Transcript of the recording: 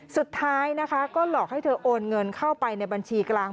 สุดท้ายนะคะก็หลอกให้เธอโอนเงินเข้าไปในบัญชีกลาง